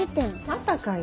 またかいな。